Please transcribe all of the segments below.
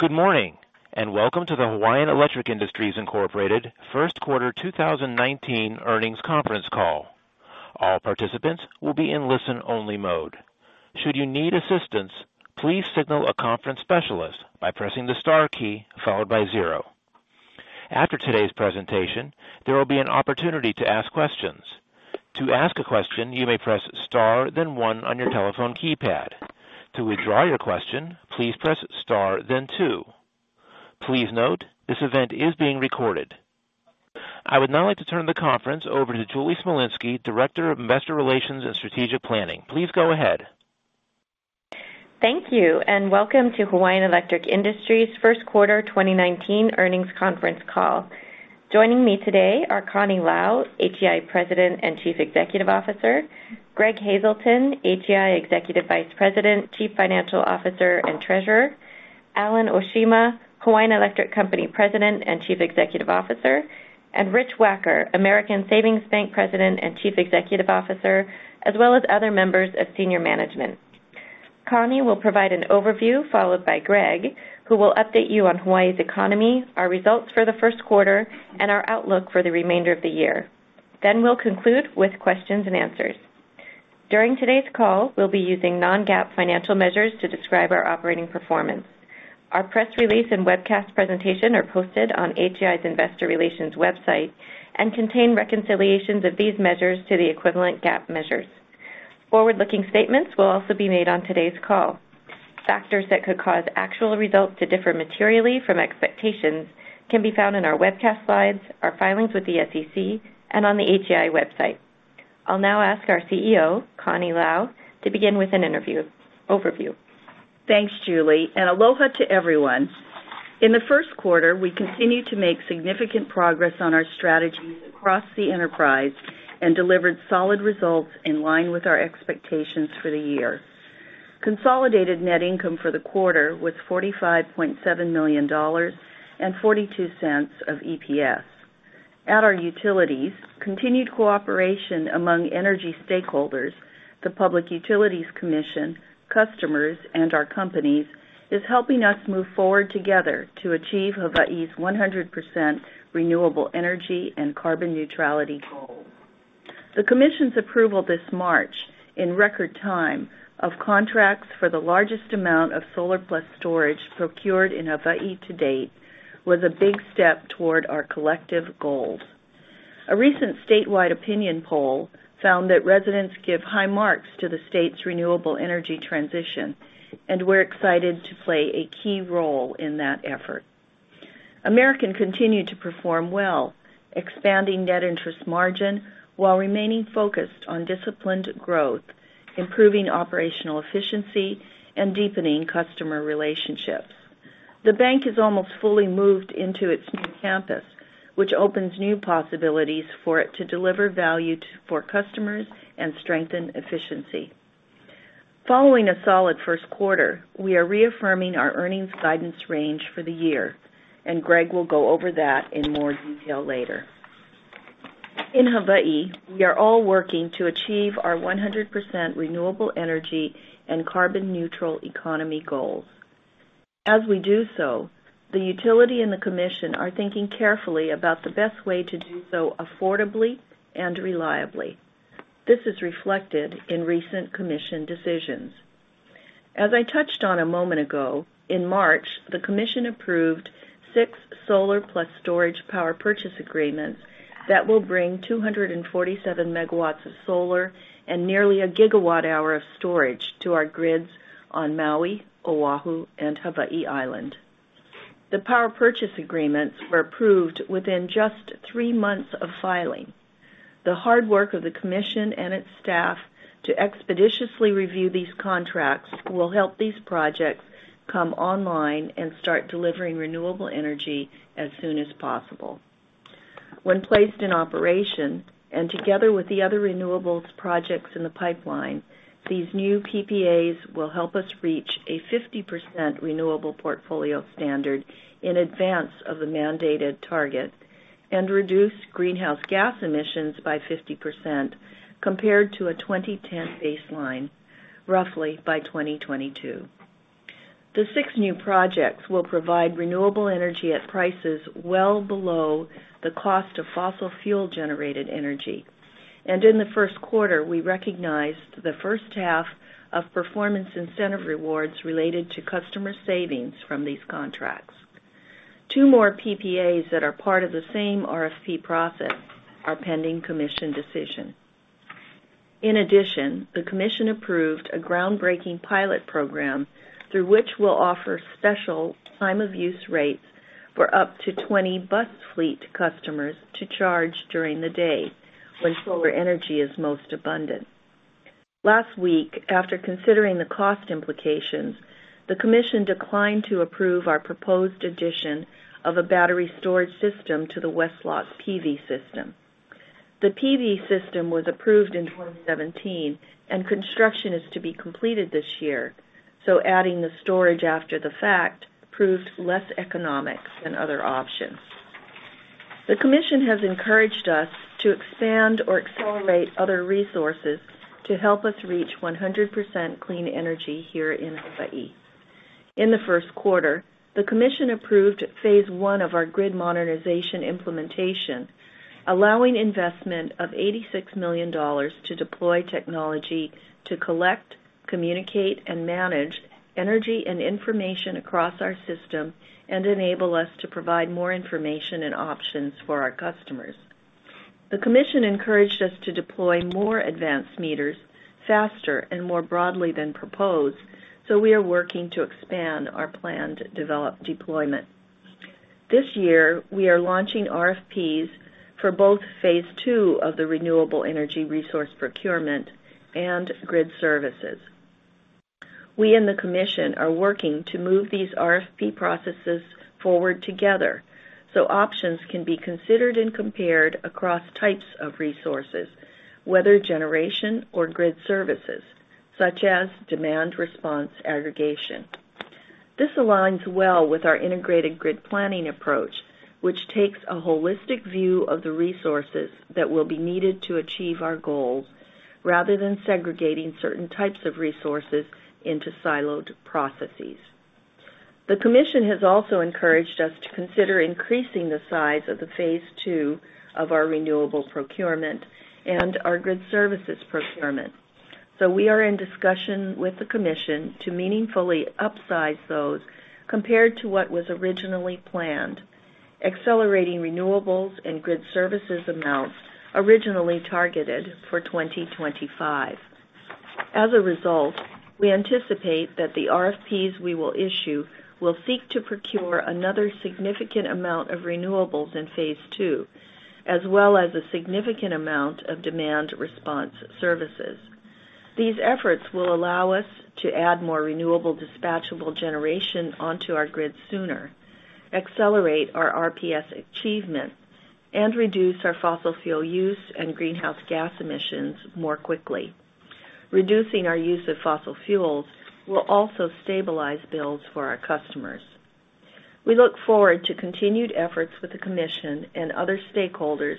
Good morning, and welcome to the Hawaiian Electric Industries Incorporated First Quarter 2019 earnings conference call. All participants will be in listen-only mode. Should you need assistance, please signal a conference specialist by pressing the star key followed by zero. After today's presentation, there will be an opportunity to ask questions. To ask a question, you may press star then one on your telephone keypad. To withdraw your question, please press star then two. Please note, this event is being recorded. I would now like to turn the conference over to Julie Smolinski, Director of Investor Relations and Strategic Planning. Please go ahead. Thank you. Welcome to Hawaiian Electric Industries' First Quarter 2019 earnings conference call. Joining me today are Connie Lau, HEI President and Chief Executive Officer, Greg Hazelton, HEI Executive Vice President, Chief Financial Officer, and Treasurer, Alan Oshima, Hawaiian Electric Company President and Chief Executive Officer, and Rich Wacker, American Savings Bank President and Chief Executive Officer, as well as other members of senior management. Connie will provide an overview, followed by Greg, who will update you on Hawaii's economy, our results for the first quarter, and our outlook for the remainder of the year. We'll conclude with questions and answers. During today's call, we'll be using non-GAAP financial measures to describe our operating performance. Our press release and webcast presentation are posted on HEI's Investor Relations website and contain reconciliations of these measures to the equivalent GAAP measures. Forward-looking statements will also be made on today's call. Factors that could cause actual results to differ materially from expectations can be found in our webcast slides, our filings with the SEC, and on the HEI website. I'll now ask our CEO, Connie Lau, to begin with an overview. Thanks, Julie. Aloha to everyone. In the first quarter, we continued to make significant progress on our strategies across the enterprise and delivered solid results in line with our expectations for the year. Consolidated net income for the quarter was $45.7 million and $0.42 of EPS. At our utilities, continued cooperation among energy stakeholders, the Public Utilities Commission, customers, and our companies is helping us move forward together to achieve Hawaii's 100% renewable energy and carbon neutrality goals. The Commission's approval this March, in record time, of contracts for the largest amount of solar plus storage procured in Hawaii to date, was a big step toward our collective goals. A recent statewide opinion poll found that residents give high marks to the state's renewable energy transition. We're excited to play a key role in that effort. American continued to perform well, expanding net interest margin while remaining focused on disciplined growth, improving operational efficiency, and deepening customer relationships. The bank has almost fully moved into its new campus, which opens new possibilities for it to deliver value for customers and strengthen efficiency. Following a solid first quarter, we are reaffirming our earnings guidance range for the year, Greg will go over that in more detail later. In Hawaii, we are all working to achieve our 100% renewable energy and carbon-neutral economy goals. As we do so, the utility and the Commission are thinking carefully about the best way to do so affordably and reliably. This is reflected in recent Commission decisions. As I touched on a moment ago, in March, the Commission approved six solar plus storage power purchase agreements that will bring 247 MW of solar and nearly 1 GWh of storage to our grids on Maui, Oahu, and Hawaii Island. The power purchase agreements were approved within just three months of filing. The hard work of the Commission and its staff to expeditiously review these contracts will help these projects come online and start delivering renewable energy as soon as possible. When placed in operation, and together with the other renewables projects in the pipeline, these new PPAs will help us reach a 50% renewable portfolio standard in advance of the mandated target and reduce greenhouse gas emissions by 50% compared to a 2010 baseline, roughly by 2022. The six new projects will provide renewable energy at prices well below the cost of fossil fuel-generated energy. In the first quarter, we recognized the first half of performance incentive rewards related to customer savings from these contracts. Two more PPAs that are part of the same RFP process are pending Commission decision. In addition, the Commission approved a groundbreaking pilot program through which we'll offer special time-of-use rates for up to 20 bus fleet customers to charge during the day when solar energy is most abundant. Last week, after considering the cost implications, the Commission declined to approve our proposed addition of a battery storage system to the West Loch PV system. The PV system was approved in 2017, and construction is to be completed this year, adding the storage after the fact proved less economic than other options. The Commission has encouraged us to expand or accelerate other resources to help us reach 100% clean energy here in Hawaii. In the first quarter, the Commission approved phase 1 of our grid modernization implementation, allowing investment of $86 million to deploy technology to collect, communicate, and manage energy and information across our system and enable us to provide more information and options for our customers. The Commission encouraged us to deploy more advanced meters faster and more broadly than proposed, we are working to expand our planned deployment. This year, we are launching RFPs for both phase 2 of the renewable energy resource procurement and grid services. We and the Commission are working to move these RFP processes forward together options can be considered and compared across types of resources, whether generation or grid services such as demand response aggregation. This aligns well with our integrated grid planning approach, which takes a holistic view of the resources that will be needed to achieve our goals rather than segregating certain types of resources into siloed processes. The commission has also encouraged us to consider increasing the size of the phase 2 of our renewable procurement and our grid services procurement. We are in discussion with the commission to meaningfully upsize those compared to what was originally planned, accelerating renewables and grid services amounts originally targeted for 2025. As a result, we anticipate that the RFPs we will issue will seek to procure another significant amount of renewables in phase 2, as well as a significant amount of demand response services. These efforts will allow us to add more renewable dispatchable generation onto our grid sooner, accelerate our RPS achievements, and reduce our fossil fuel use and greenhouse gas emissions more quickly. Reducing our use of fossil fuels will also stabilize bills for our customers. We look forward to continued efforts with the commission and other stakeholders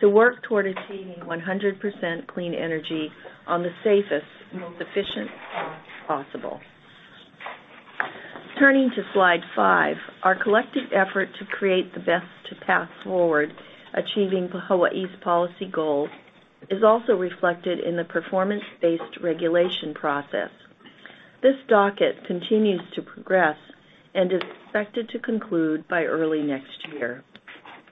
to work toward achieving 100% clean energy on the safest, most efficient path possible. Turning to slide five, our collective effort to create the best path forward achieving Hawaii's policy goals is also reflected in the performance-based regulation process. This docket continues to progress and is expected to conclude by early next year.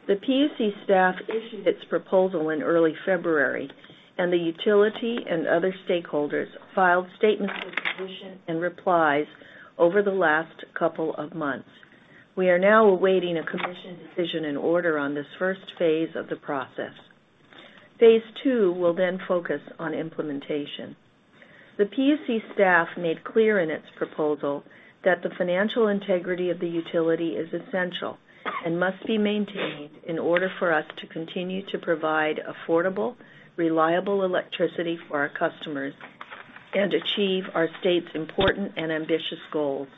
The PUC staff issued its proposal in early February, and the utility and other stakeholders filed statements of position and replies over the last couple of months. We are now awaiting a commission decision and order on this first phase of the process. Phase 2 will then focus on implementation. The PUC staff made clear in its proposal that the financial integrity of the utility is essential and must be maintained in order for us to continue to provide affordable, reliable electricity for our customers and achieve our state's important and ambitious goals.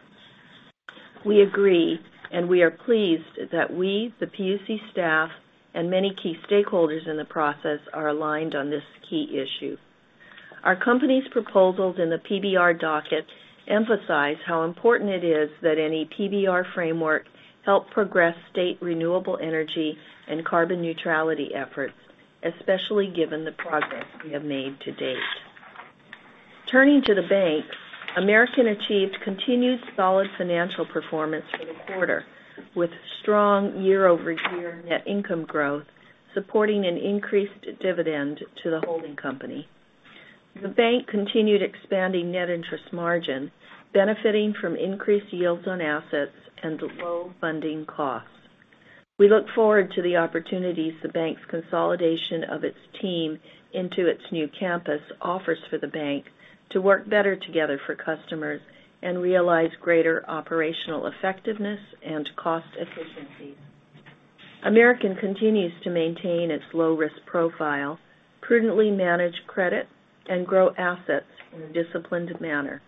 We agree, and we are pleased that we, the PUC staff, and many key stakeholders in the process are aligned on this key issue. Our company's proposals in the PBR docket emphasize how important it is that any PBR framework help progress state renewable energy and carbon neutrality efforts, especially given the progress we have made to date. Turning to the bank, American achieved continued solid financial performance for the quarter, with strong year-over-year net income growth supporting an increased dividend to the holding company. The bank continued expanding net interest margin, benefiting from increased yields on assets and low funding costs. We look forward to the opportunities the bank's consolidation of its team into its new campus offers for the bank to work better together for customers and realize greater operational effectiveness and cost efficiencies. American continues to maintain its low-risk profile, prudently manage credit, and grow assets in a disciplined manner.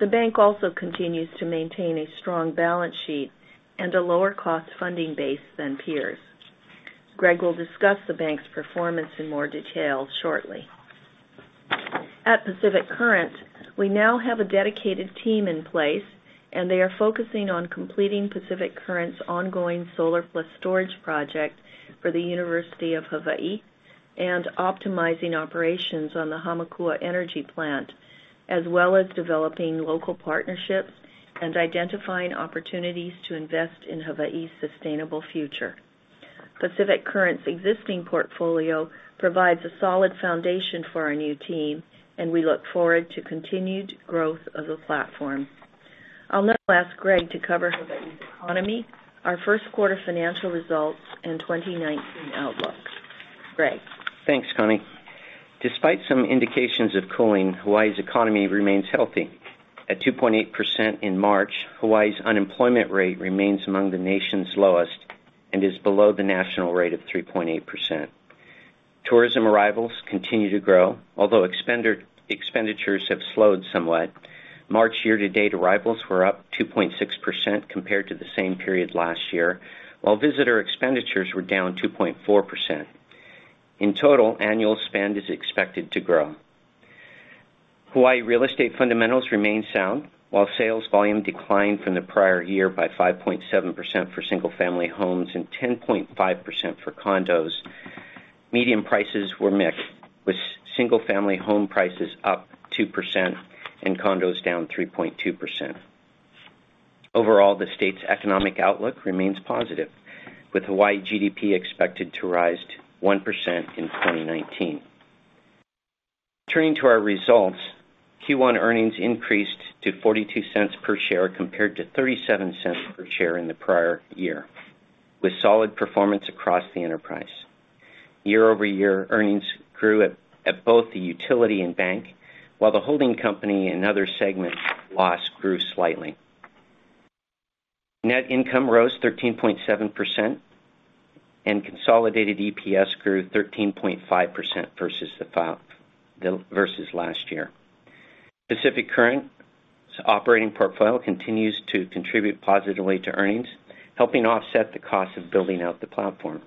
The bank also continues to maintain a strong balance sheet and a lower cost funding base than peers. Greg will discuss the bank's performance in more detail shortly. At Pacific Current, we now have a dedicated team in place, they are focusing on completing Pacific Current's ongoing solar plus storage project for the University of Hawaii and optimizing operations on the Hamakua Energy plant, as well as developing local partnerships and identifying opportunities to invest in Hawaii's sustainable future. Pacific Current's existing portfolio provides a solid foundation for our new team, and we look forward to continued growth of the platform. I'll now ask Greg to cover Hawaii's economy, our first quarter financial results, and 2019 outlook. Greg? Thanks, Connie. Despite some indications of cooling, Hawaii's economy remains healthy. At 2.8% in March, Hawaii's unemployment rate remains among the nation's lowest and is below the national rate of 3.8%. Tourism arrivals continue to grow, although expenditures have slowed somewhat. March year-to-date arrivals were up 2.6% compared to the same period last year, while visitor expenditures were down 2.4%. In total, annual spend is expected to grow. Hawaii real estate fundamentals remain sound. While sales volume declined from the prior year by 5.7% for single family homes and 10.5% for condos, median prices were mixed, with single family home prices up 2% and condos down 3.2%. Overall, the state's economic outlook remains positive, with Hawaii GDP expected to rise 1% in 2019. Turning to our results, Q1 earnings increased to $0.42 per share compared to $0.37 per share in the prior year, with solid performance across the enterprise. Year-over-year earnings grew at both the utility and bank, while the holding company and other segments loss grew slightly. Net income rose 13.7% and consolidated EPS grew 13.5% versus last year. Pacific Current's operating portfolio continues to contribute positively to earnings, helping offset the cost of building out the platform.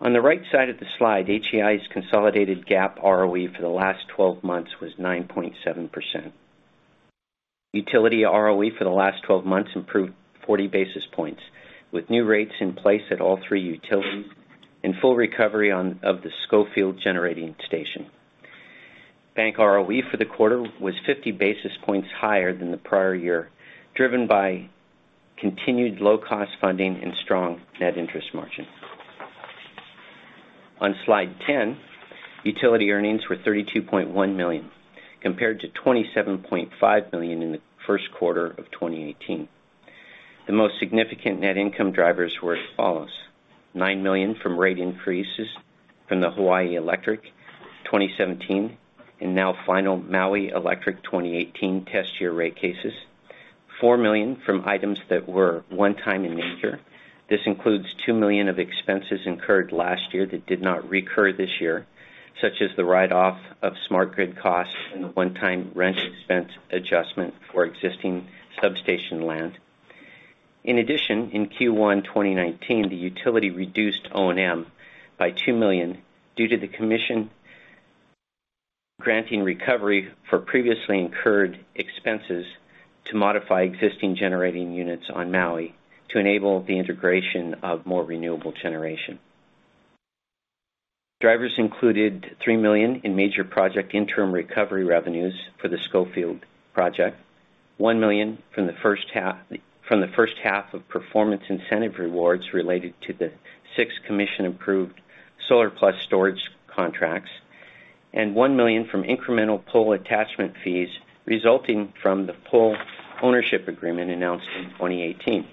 On the right side of the slide, HEI's consolidated GAAP ROE for the last 12 months was 9.7%. Utility ROE for the last 12 months improved 40 basis points, with new rates in place at all three utilities and full recovery of the Schofield Generating Station. Bank ROE for the quarter was 50 basis points higher than the prior year, driven by continued low-cost funding and strong net interest margin. On slide 10, utility earnings were $32.1 million, compared to $27.5 million in the first quarter of 2018. The most significant net income drivers were as follows. $9 million from rate increases from the Hawaiian Electric 2017, and now final Maui Electric 2018 test year rate cases. $4 million from items that were one-time in nature. This includes $2 million of expenses incurred last year that did not recur this year, such as the write-off of smart grid costs and the one-time rent expense adjustment for existing substation land. In addition, in Q1 2019, the utility reduced O&M by $2 million due to the commission granting recovery for previously incurred expenses to modify existing generating units on Maui to enable the integration of more renewable generation. Drivers included $3 million in major project interim recovery revenues for the Schofield project, $1 million from the first half of performance incentive rewards related to the six commission-approved solar plus storage contracts, and $1 million from incremental pole attachment fees resulting from the pole ownership agreement announced in 2018.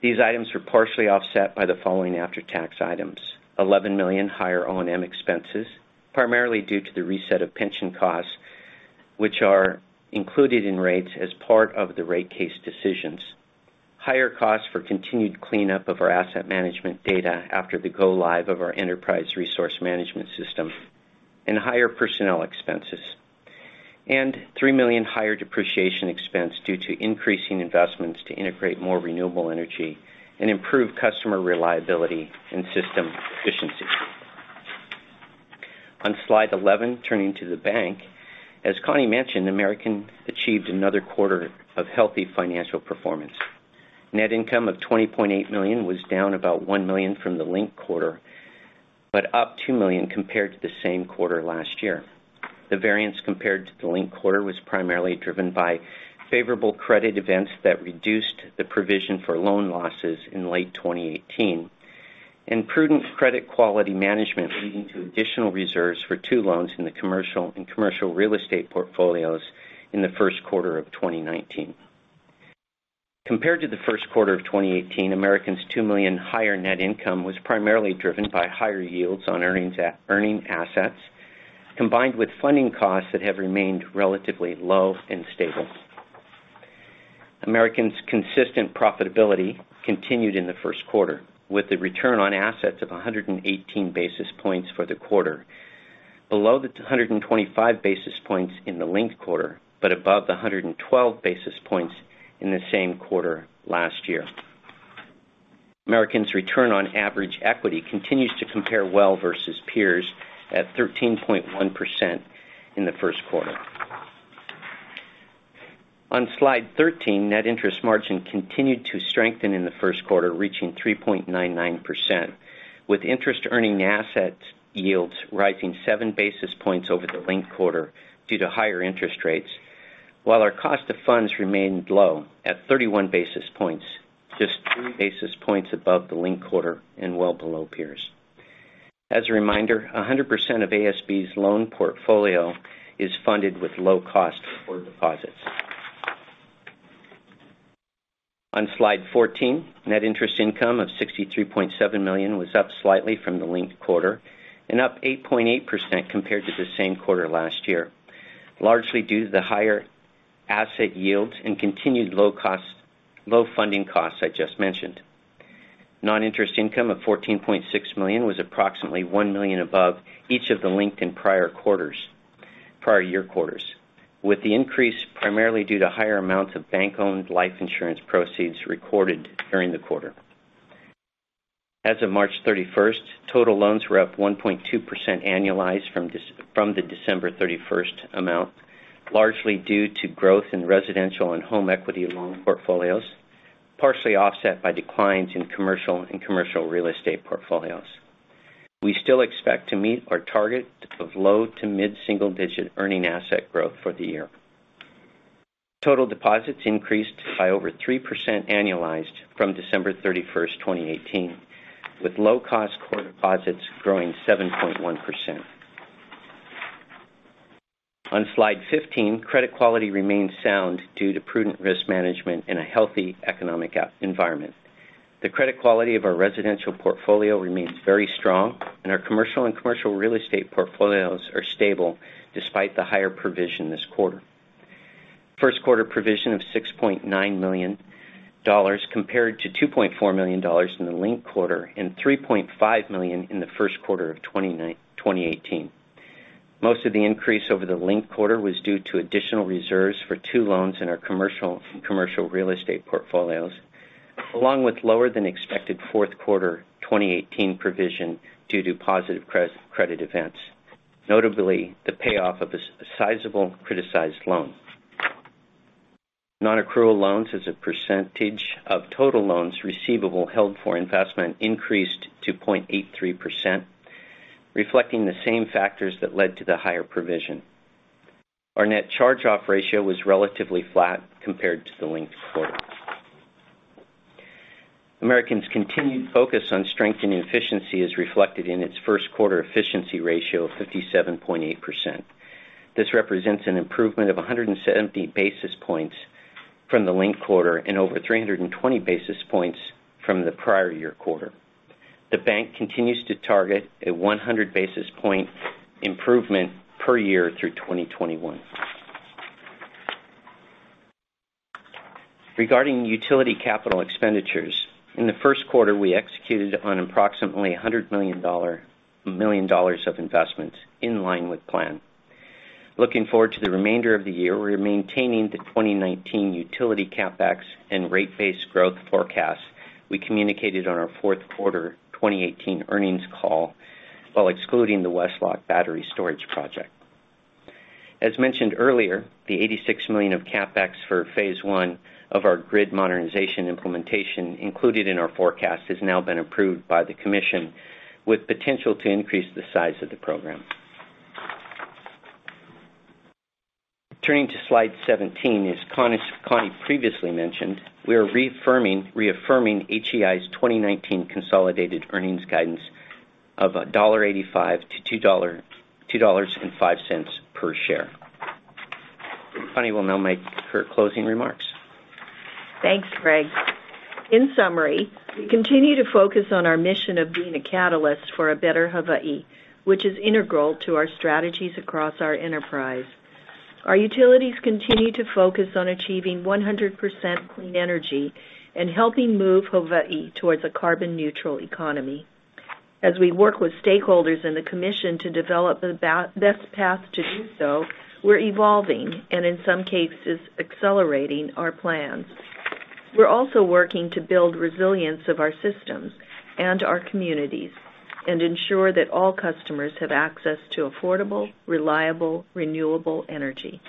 These items were partially offset by the following after-tax items. $11 million higher O&M expenses, primarily due to the reset of pension costs, which are included in rates as part of the rate case decisions. Higher costs for continued cleanup of our asset management data after the go live of our enterprise resource management system, and higher personnel expenses. $3 million higher depreciation expense due to increasing investments to integrate more renewable energy and improve customer reliability and system efficiency. On slide 11, turning to the bank. As Connie mentioned, American achieved another quarter of healthy financial performance. Net income of $20.8 million was down about $1 million from the linked quarter, but up $2 million compared to the same quarter last year. The variance compared to the linked quarter was primarily driven by favorable credit events that reduced the provision for loan losses in late 2018, and prudent credit quality management leading to additional reserves for two loans in the commercial and commercial real estate portfolios in the first quarter of 2019. Compared to the first quarter of 2018, American's $2 million higher net income was primarily driven by higher yields on earning assets, combined with funding costs that have remained relatively low and stable. American's consistent profitability continued in the first quarter, with a return on assets of 118 basis points for the quarter, below the 125 basis points in the linked quarter, but above the 112 basis points in the same quarter last year. American's return on average equity continues to compare well versus peers at 13.1% in the first quarter. On slide 13, net interest margin continued to strengthen in the first quarter, reaching 3.99%, with interest earning asset yields rising seven basis points over the linked quarter due to higher interest rates, while our cost of funds remained low at 31 basis points, just three basis points above the linked quarter and well below peers. As a reminder, 100% of ASB's loan portfolio is funded with low cost for deposits. On slide 14, net interest income of $63.7 million was up slightly from the linked quarter and up 8.8% compared to the same quarter last year. Largely due to the higher asset yields and continued low funding costs I just mentioned. Non-interest income of $14.6 million was approximately $1 million above each of the linked in prior year quarters, with the increase primarily due to higher amounts of bank-owned life insurance proceeds recorded during the quarter. As of March 31st, total loans were up 1.2% annualized from the December 31st amount, largely due to growth in residential and home equity loan portfolios, partially offset by declines in commercial and commercial real estate portfolios. We still expect to meet our target of low to mid-single digit earning asset growth for the year. Total deposits increased by over 3% annualized from December 31st, 2018, with low-cost core deposits growing 7.1%. On slide 15, credit quality remains sound due to prudent risk management and a healthy economic environment. The credit quality of our residential portfolio remains very strong, and our commercial and commercial real estate portfolios are stable despite the higher provision this quarter. First quarter provision of $6.9 million compared to $2.4 million in the linked quarter and $3.5 million in the first quarter of 2018. Most of the increase over the linked quarter was due to additional reserves for two loans in our commercial real estate portfolios, along with lower than expected fourth quarter 2018 provision due to positive credit events, notably the payoff of a sizable criticized loan. Non-accrual loans as a percentage of total loans receivable held for investment increased to 0.83%, reflecting the same factors that led to the higher provision. Our net charge-off ratio was relatively flat compared to the linked quarter. American's continued focus on strength and efficiency is reflected in its first quarter efficiency ratio of 57.8%. This represents an improvement of 170 basis points from the linked quarter and over 320 basis points from the prior year quarter. The bank continues to target a 100 basis point improvement per year through 2021. Regarding utility capital expenditures, in the first quarter, we executed on approximately $100 million of investments, in line with plan. Looking forward to the remainder of the year, we are maintaining the 2019 utility CapEx and rate base growth forecast we communicated on our fourth quarter 2018 earnings call, while excluding the West Loch battery storage project. As mentioned earlier, the $86 million of CapEx for phase 1 of our grid modernization implementation included in our forecast has now been approved by the commission, with potential to increase the size of the program. Turning to slide 17, as Connie previously mentioned, we are reaffirming HEI's 2019 consolidated earnings guidance of $1.85 to $2.05 per share. Connie will now make her closing remarks. Thanks, Greg. We continue to focus on our mission of being a catalyst for a better Hawaii, which is integral to our strategies across our enterprise. Our utilities continue to focus on achieving 100% clean energy and helping move Hawaii towards a carbon neutral economy. We work with stakeholders in the commission to develop the best path to do so, we're evolving and, in some cases, accelerating our plans. We're also working to build resilience of our systems and our communities and ensure that all customers have access to affordable, reliable, renewable energy.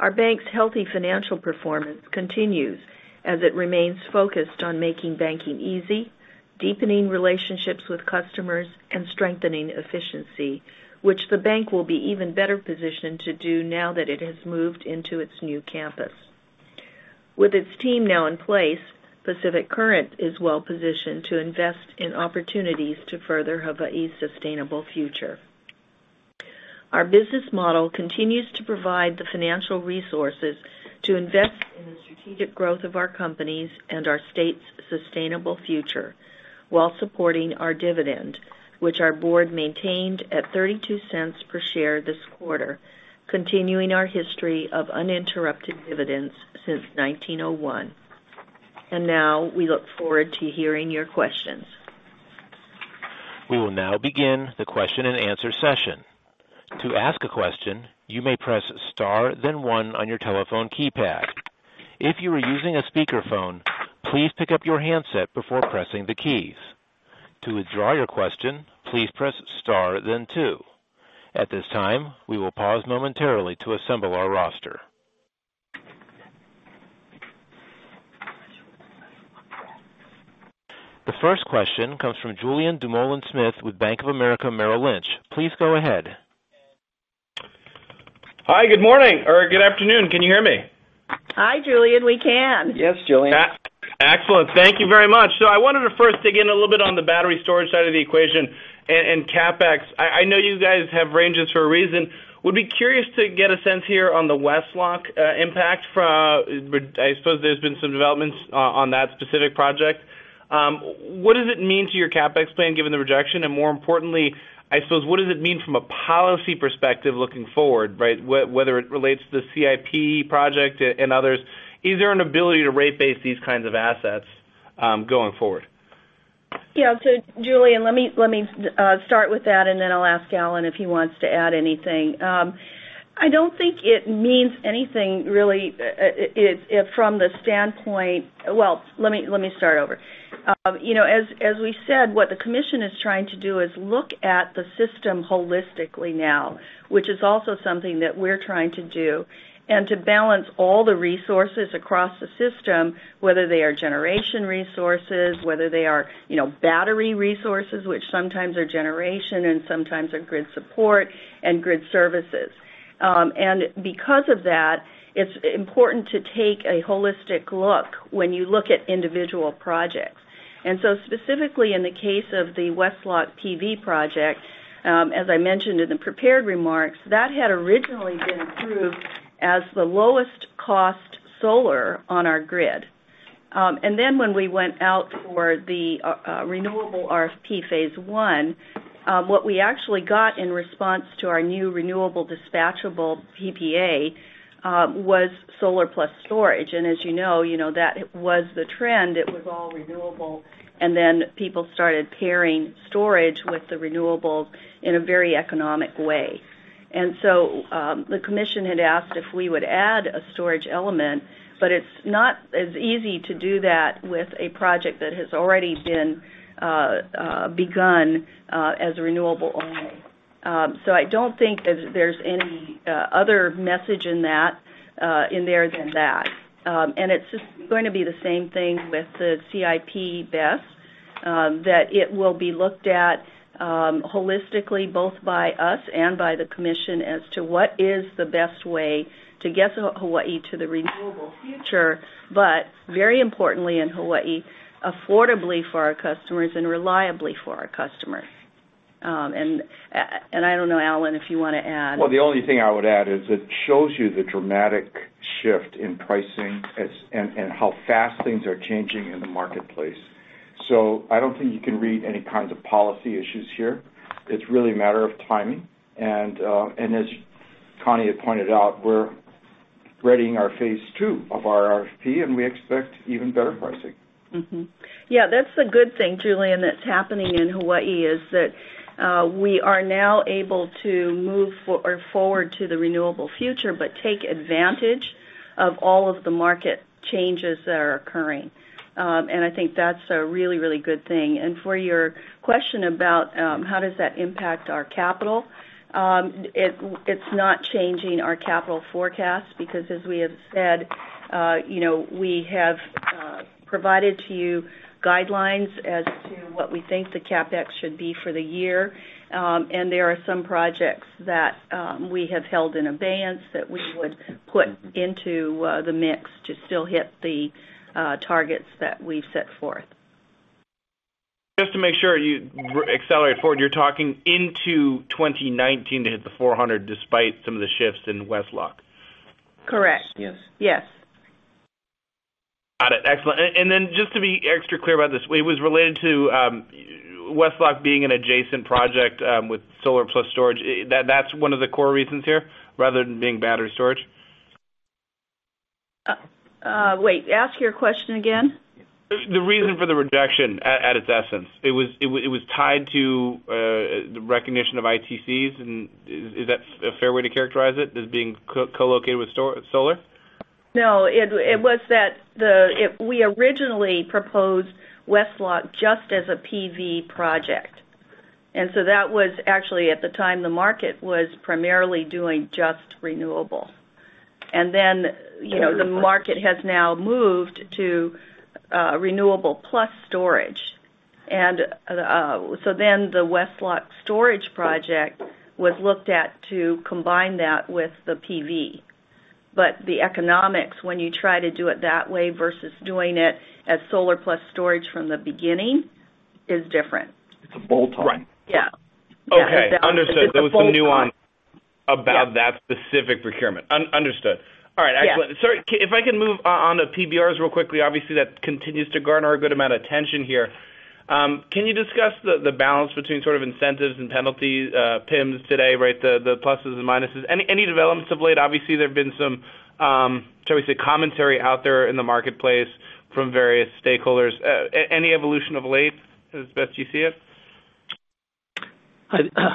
Our bank's healthy financial performance continues as it remains focused on making banking easy, deepening relationships with customers, and strengthening efficiency, which the bank will be even better positioned to do now that it has moved into its new campus. With its team now in place, Pacific Current is well-positioned to invest in opportunities to further Hawaii's sustainable future. Our business model continues to provide the financial resources to invest in the strategic growth of our companies and our state's sustainable future while supporting our dividend, which our board maintained at $0.32 per share this quarter, continuing our history of uninterrupted dividends since 1901. We look forward to hearing your questions. We will now begin the question and answer session. To ask a question, you may press star then one on your telephone keypad. If you are using a speakerphone, please pick up your handset before pressing the keys. To withdraw your question, please press star then two. At this time, we will pause momentarily to assemble our roster. The first question comes from Julien Dumoulin-Smith with Bank of America Merrill Lynch. Please go ahead. Hi, good morning or good afternoon. Can you hear me? Hi, Julien. We can. Yes, Julien. Excellent. Thank you very much. I wanted to first dig in a little bit on the battery storage side of the equation and CapEx. I know you guys have ranges for a reason. Would be curious to get a sense here on the West Loch impact from, I suppose there's been some developments on that specific project. What does it mean to your CapEx plan, given the rejection? More importantly, I suppose, what does it mean from a policy perspective looking forward, right? Whether it relates to the CIP project and others. Is there an ability to rate base these kinds of assets going forward? Julien, let me start with that, and then I'll ask Alan if he wants to add anything. As we said, what the commission is trying to do is look at the system holistically now, which is also something that we're trying to do, and to balance all the resources across the system, whether they are generation resources, whether they are battery resources, which sometimes are generation and sometimes are grid support, and grid services. Because of that, it's important to take a holistic look when you look at individual projects. Specifically in the case of the West Loch PV project, as I mentioned in the prepared remarks, that had originally been approved as the lowest cost solar on our grid. When we went out for the renewable RFP phase one, what we actually got in response to our new renewable dispatchable PPA was solar plus storage. As you know, that was the trend. It was all renewable, and then people started pairing storage with the renewables in a very economic way. The commission had asked if we would add a storage element, but it's not as easy to do that with a project that has already been begun as renewable only. I don't think there's any other message in there than that. It's just going to be the same thing with the CIP, Beth, that it will be looked at holistically, both by us and by the commission, as to what is the best way to get Hawaii to the renewable future. Very importantly in Hawaii, affordably for our customers and reliably for our customers. I don't know, Alan, if you want to add. The only thing I would add is it shows you the dramatic shift in pricing and how fast things are changing in the marketplace. I don't think you can read any kinds of policy issues here. It's really a matter of timing. As Connie had pointed out, we're readying our phase two of our RFP, we expect even better pricing. Yeah, that's the good thing, Julian, that's happening in Hawaii, is that we are now able to move forward to the renewable future but take advantage of all of the market changes that are occurring. I think that's a really, really good thing. For your question about how does that impact our capital, it's not changing our capital forecast because, as we have said, we have provided to you guidelines as to what we think the CapEx should be for the year. There are some projects that we have held in abeyance that we would put into the mix to still hit the targets that we've set forth. Just to make sure you accelerate forward, you're talking into 2019 to hit the 400 despite some of the shifts in West Loch? Correct. Yes. Yes. Got it. Excellent. Just to be extra clear about this, it was related to West Loch being an adjacent project with solar plus storage. That's one of the core reasons here, rather than being battery storage? Wait, ask your question again. The reason for the rejection at its essence, it was tied to the recognition of ITCs. Is that a fair way to characterize it, as being co-located with solar? No. It was that we originally proposed West Loch just as a PV project. That was actually at the time the market was primarily doing just renewable. The market has now moved to renewable plus storage. The West Loch storage project was looked at to combine that with the PV. The economics, when you try to do it that way versus doing it as solar plus storage from the beginning, is different. It's a bolt-on. Right. Yeah. Okay. Understood. It's a bolt-on. There was some nuance about that specific procurement. Understood. All right. Yeah. Excellent. Sorry, if I can move on to PBRs real quickly. Obviously, that continues to garner a good amount of attention here. Can you discuss the balance between incentives and penalties, PIMs today, right, the pluses and minuses? Any developments of late? Obviously, there have been some, shall we say, commentary out there in the marketplace from various stakeholders. Any evolution of late as best you see it?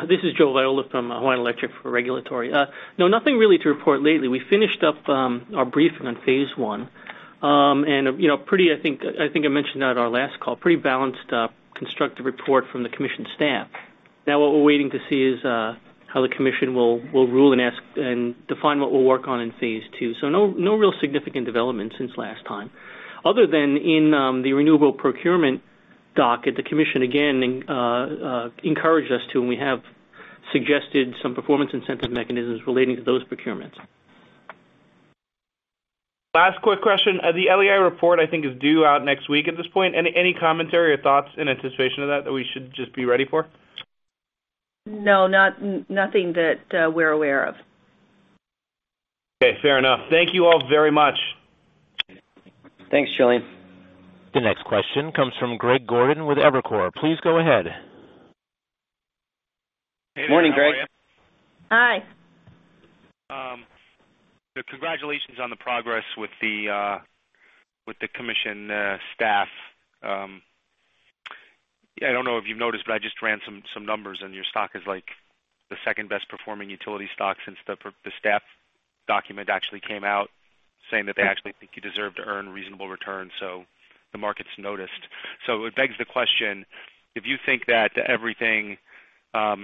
This is Joseph Viola from Hawaiian Electric for regulatory. Nothing really to report lately. We finished up our briefing on phase one. I think I mentioned at our last call, pretty balanced, constructive report from the commission staff. What we're waiting to see is how the commission will rule and define what we'll work on in phase two. No real significant development since last time, other than in the renewable procurement docket, the commission again encouraged us to, and we have suggested some performance incentive mechanisms relating to those procurements. Last quick question. The LEI report, I think, is due out next week at this point. Any commentary or thoughts in anticipation of that we should just be ready for? No, nothing that we're aware of. Okay, fair enough. Thank you all very much. Thanks, Julien. The next question comes from Greg Gordon with Evercore. Please go ahead. Morning, Greg. Hi. Congratulations on the progress with the commission staff. I don't know if you've noticed, but I just ran some numbers and your stock is the second best performing utility stock since the staff document actually came out saying that they actually think you deserve to earn reasonable returns, so the market's noticed. It begs the question, if you think that everything gets, as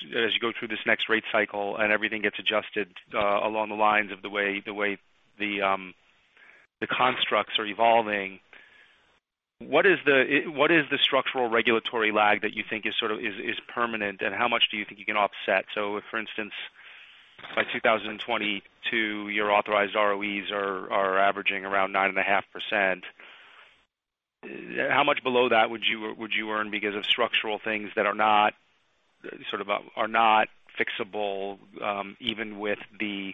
you go through this next rate cycle, and everything gets adjusted along the lines of the way the constructs are evolving, what is the structural regulatory lag that you think is permanent, and how much do you think you can offset? If, for instance, by 2022, your authorized ROEs are averaging around 9.5%, how much below that would you earn because of structural things that are not fixable, even with the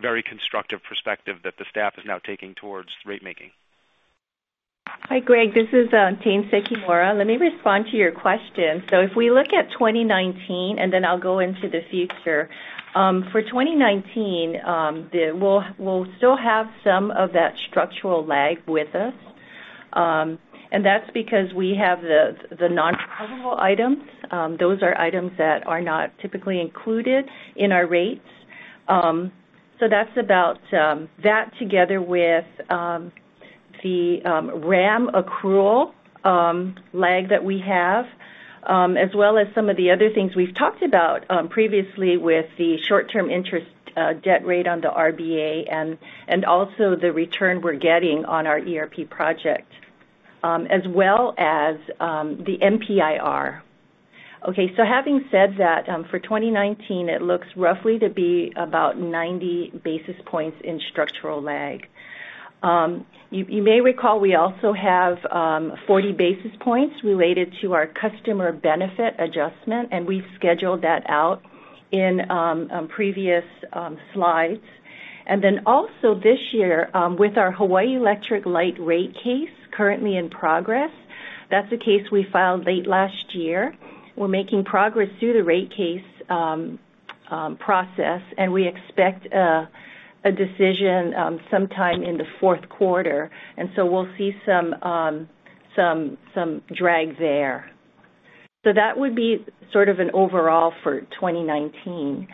very constructive perspective that the staff is now taking towards rate making? Hi, Greg. This is Tayne Sekimura. Let me respond to your question. If we look at 2019, then I'll go into the future. For 2019, we'll still have some of that structural lag with us. That's because we have the non-recoverable items. Those are items that are not typically included in our rates. That's about that together with the RAM accrual lag that we have, as well as some of the other things we've talked about previously with the short-term interest debt rate on the RBA and also the return we're getting on our ERP project, as well as the NPIR. Having said that, for 2019, it looks roughly to be about 90 basis points in structural lag. You may recall, we also have 40 basis points related to our customer benefit adjustment, and we've scheduled that out in previous slides. This year, with our Hawaii Electric Light rate case currently in progress, that's a case we filed late last year. We're making progress through the rate case process, we expect a decision sometime in the fourth quarter, we'll see some drag there. That would be sort of an overall for 2019.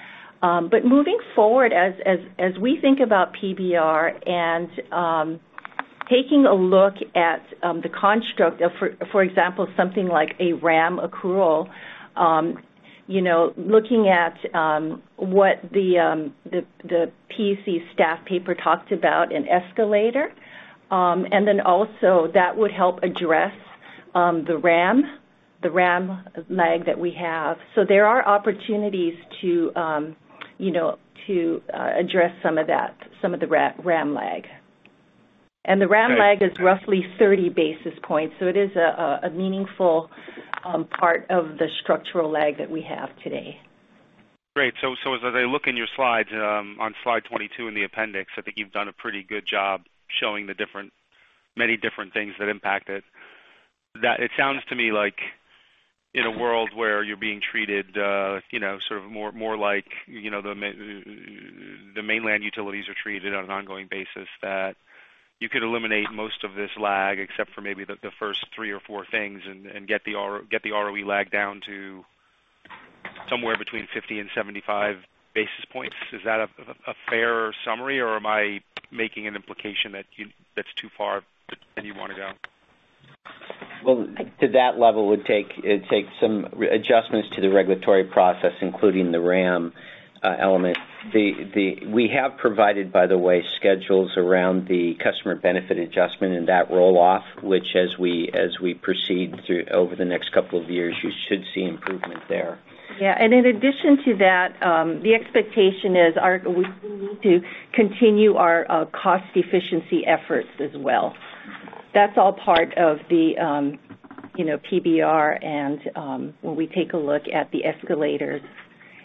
Moving forward, as we think about PBR and taking a look at the construct of, for example, something like a RAM accrual, looking at what the PUC staff paper talked about an escalator, that would help address the RAM lag that we have. There are opportunities to address some of that, some of the RAM lag. The RAM lag is roughly 30 basis points, it is a meaningful part of the structural lag that we have today. Great. As I look in your slides, on slide 22 in the appendix, I think you've done a pretty good job showing the many different things that impact it. It sounds to me like in a world where you're being treated more like the mainland utilities are treated on an ongoing basis, that you could eliminate most of this lag, except for maybe the first three or four things, and get the ROE lag down to somewhere between 50 and 75 basis points. Is that a fair summary, or am I making an implication that's too far than you want to go? Well, to that level, it'd take some adjustments to the regulatory process, including the RAM element. We have provided, by the way, schedules around the customer benefit adjustment and that roll-off, which, as we proceed over the next couple of years, you should see improvement there. Yeah. In addition to that, the expectation is we need to continue our cost efficiency efforts as well. That's all part of the PBR and when we take a look at the escalators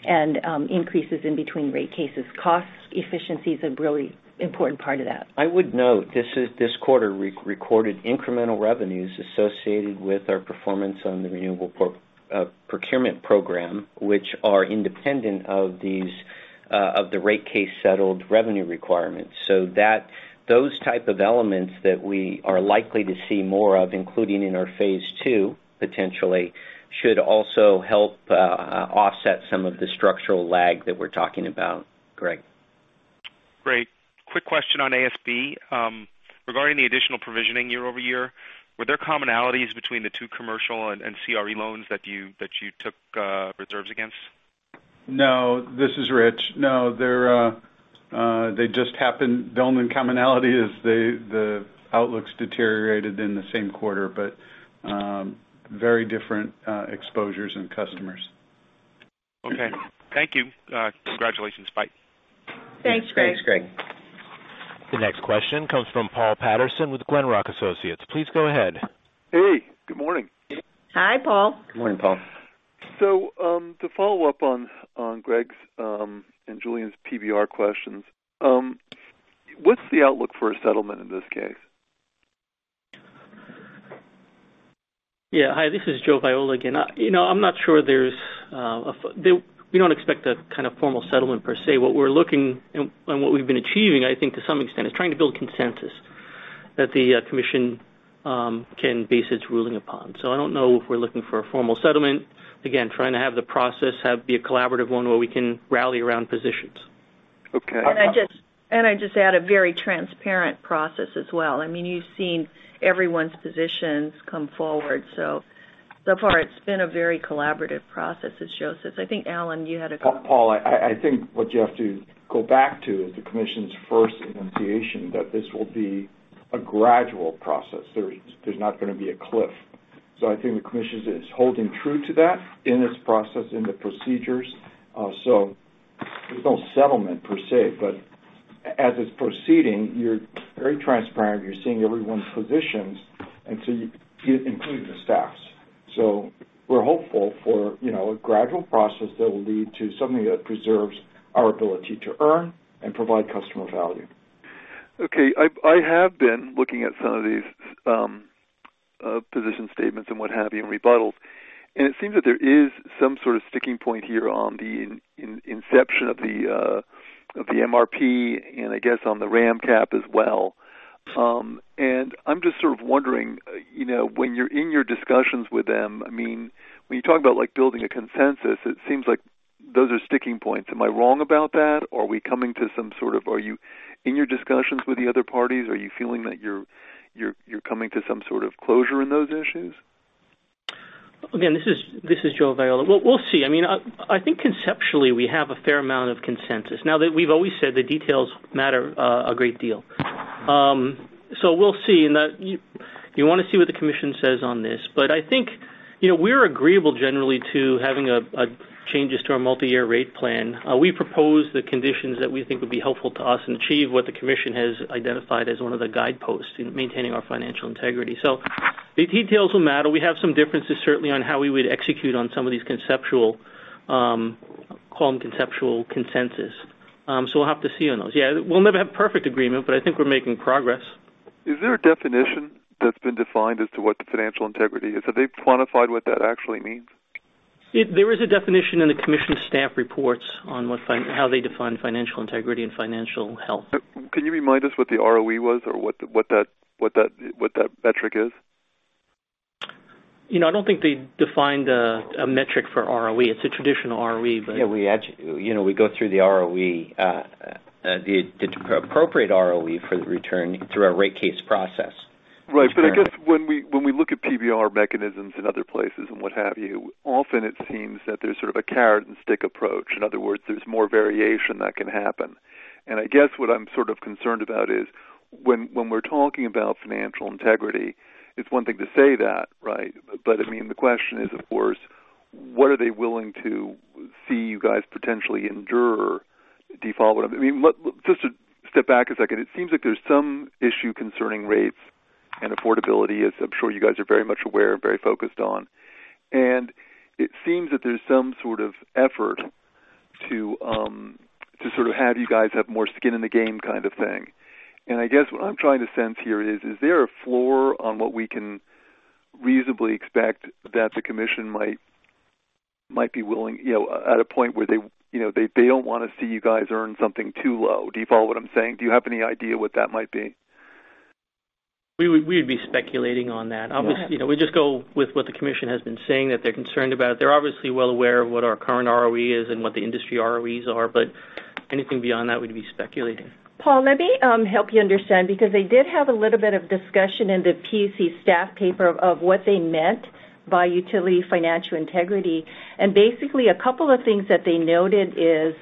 and increases in between rate cases. Cost efficiency is a really important part of that. I would note, this quarter recorded incremental revenues associated with our performance on the renewable procurement program, which are independent of the rate case settled revenue requirements. Those type of elements that we are likely to see more of, including in our phase 2, potentially, should also help offset some of the structural lag that we're talking about, Greg. Great. Quick question on ASB. Regarding the additional provisioning year-over-year, were there commonalities between the two commercial and CRE loans that you took reserves against? No. This is Rich. No. The only commonality is the outlook's deteriorated in the same quarter, very different exposures and customers. Okay. Thank you. Congratulations. Bye. Thanks, Greg. The next question comes from Paul Patterson with Glenrock Associates. Please go ahead. Hey, good morning. Hi, Paul. Good morning, Paul. To follow up on Greg's and Julien's PBR questions, what's the outlook for a settlement in this case? Yeah. Hi, this is Joseph Viola again. We don't expect a kind of formal settlement per se. What we're looking and what we've been achieving, I think to some extent, is trying to build consensus that the Commission can base its ruling upon. I don't know if we're looking for a formal settlement. Again, trying to have the process be a collaborative one where we can rally around positions. Okay. I'd just add a very transparent process as well. You've seen everyone's positions come forward. So far it's been a very collaborative process, as Joe says. I think, Alan. Paul, I think what you have to go back to is the Commission's first enunciation that this will be a gradual process. There's not going to be a cliff. I think the Commission is holding true to that in its process and the procedures. There's no settlement per se, but as it's proceeding, you're very transparent. You're seeing everyone's positions until you include the staffs. We're hopeful for a gradual process that will lead to something that preserves our ability to earn and provide customer value. Okay. I have been looking at some of these position statements and what have you, and rebuttals, and it seems that there is some sort of sticking point here on the inception of the MRP and I guess on the RAM cap as well. I'm just sort of wondering, when you're in your discussions with them, when you talk about building a consensus, it seems like those are sticking points. Am I wrong about that? Are you in your discussions with the other parties, are you feeling that you're coming to some sort of closure in those issues? Again, this is Joseph Viola. We'll see. I think conceptually, we have a fair amount of consensus. Now that we've always said the details matter a great deal. We'll see, and you want to see what the commission says on this. I think, we're agreeable generally to having changes to our multi-year rate plan. We propose the conditions that we think would be helpful to us and achieve what the commission has identified as one of the guideposts in maintaining our financial integrity. The details will matter. We have some differences, certainly, on how we would execute on some of these conceptual consensus. We'll have to see on those. Yeah, we'll never have perfect agreement, but I think we're making progress. Is there a definition that's been defined as to what the financial integrity is? Have they quantified what that actually means? There is a definition in the commission staff reports on how they define financial integrity and financial health. Can you remind us what the ROE was or what that metric is? I don't think they defined a metric for ROE. It's a traditional ROE, but- Yeah, we go through the appropriate ROE for the return through our rate case process. Right. I guess when we look at PBR mechanisms in other places and what have you, often it seems that there's sort of a carrot-and-stick approach. In other words, there's more variation that can happen. I guess what I'm sort of concerned about is when we're talking about financial integrity, it's one thing to say that, right? The question is, of course, what are they willing to see you guys potentially endure, default? Just to step back a second, it seems like there's some issue concerning rates and affordability, as I'm sure you guys are very much aware and very focused on. It seems that there's some sort of effort to have you guys have more skin in the game kind of thing. I guess what I'm trying to sense here is there a floor on what we can reasonably expect that the commission might be willing at a point where they don't want to see you guys earn something too low? Do you follow what I'm saying? Do you have any idea what that might be? We'd be speculating on that. We just go with what the commission has been saying that they're concerned about. They're obviously well aware of what our current ROE is and what the industry ROEs are. Anything beyond that would be speculating. Paul, let me help you understand, because they did have a little bit of discussion in the PUC staff paper of what they meant by utility financial integrity. Basically, a couple of things that they noted is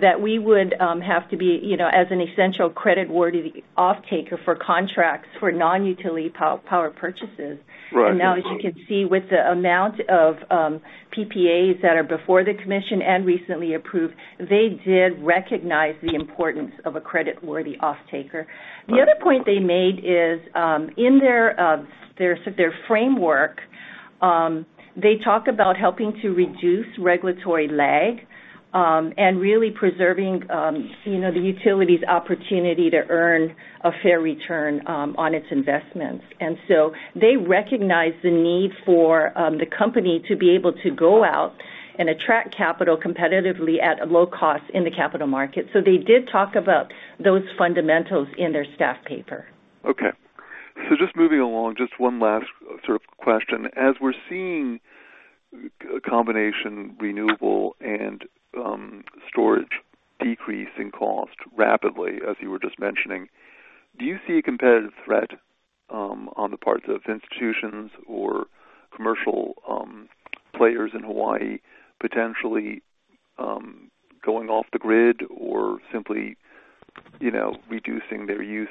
that we would have to be, as an essential creditworthy offtaker for contracts for non-utility power purchases. Right. Now, as you can see, with the amount of PPAs that are before the commission and recently approved, they did recognize the importance of a creditworthy offtaker. The other point they made is, in their framework, they talk about helping to reduce regulatory lag, and really preserving the utility's opportunity to earn a fair return on its investments. They recognize the need for the company to be able to go out and attract capital competitively at a low cost in the capital market. They did talk about those fundamentals in their staff paper. Okay. Just moving along, just one last sort of question. As we're seeing a combination, renewable and storage decrease in cost rapidly, as you were just mentioning, do you see a competitive threat on the parts of institutions or commercial players in Hawaii potentially going off the grid or simply reducing their use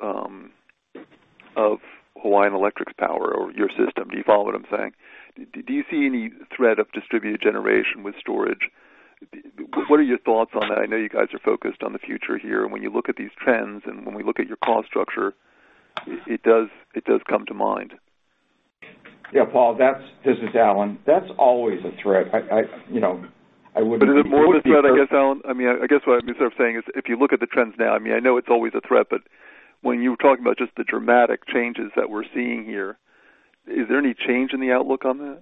of Hawaiian Electric's power or your system. Do you follow what I'm saying? Do you see any threat of distributed generation with storage? What are your thoughts on that? I know you guys are focused on the future here. When you look at these trends and when we look at your cost structure, it does come to mind. Yeah, Paul, this is Alan. That's always a threat. I wouldn't Is it more of a threat, I guess, Alan? I guess what I'm sort of saying is if you look at the trends now, I know it's always a threat, when you were talking about just the dramatic changes that we're seeing here, is there any change in the outlook on that?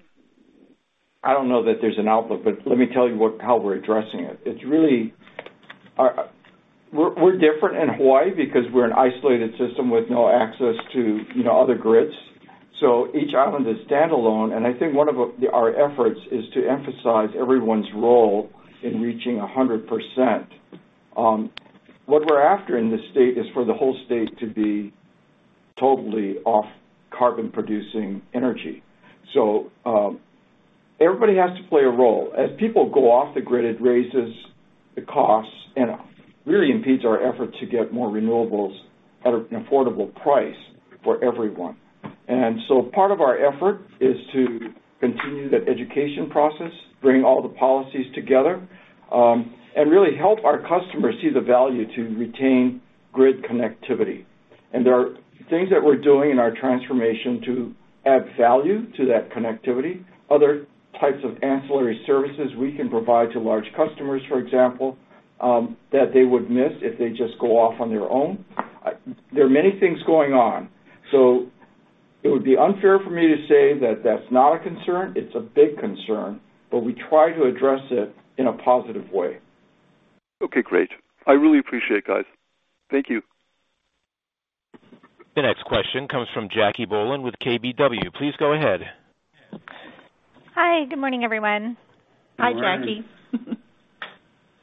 I don't know that there's an outlook, but let me tell you how we're addressing it. We're different in Hawaii because we're an isolated system with no access to other grids. Each island is standalone, and I think one of our efforts is to emphasize everyone's role in reaching 100%. What we're after in this state is for the whole state to be totally off carbon-producing energy. Everybody has to play a role. As people go off the grid, it raises the costs and really impedes our effort to get more renewables at an affordable price for everyone. Part of our effort is to continue that education process, bring all the policies together, and really help our customers see the value to retain grid connectivity. There are things that we're doing in our transformation to add value to that connectivity. Other types of ancillary services we can provide to large customers, for example, that they would miss if they just go off on their own. There are many things going on. It would be unfair for me to say that that's not a concern. It's a big concern, but we try to address it in a positive way. Okay, great. I really appreciate it, guys. Thank you. The next question comes from Jackie Bohlen with KBW. Please go ahead. Hi. Good morning, everyone. Hi, Jackie.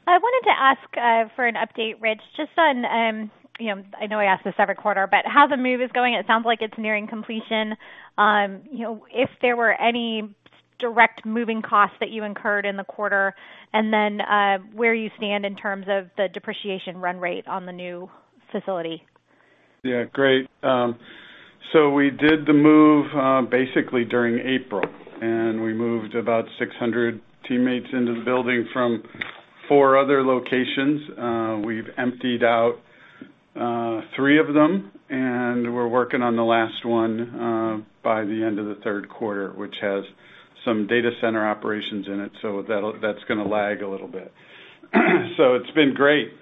I wanted to ask for an update, Rich, just on, I know I ask this every quarter, but how the move is going. It sounds like it's nearing completion. If there were any direct moving costs that you incurred in the quarter, and then where you stand in terms of the depreciation run rate on the new facility. Yeah, great. We did the move basically during April, and we moved about 600 teammates into the building from four other locations. We've emptied out three of them, and we're working on the last one by the end of the third quarter, which has some data center operations in it. That's going to lag a little bit. It's been great.